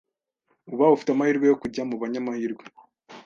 uba ufite amahirwe yo kujya mu banyamahirwe